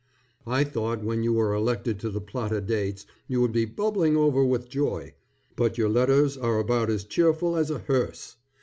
I thought when you were elected to the Plata Dates, you would be bubbling over with joy, but your letters are about as cheerful as a hearse.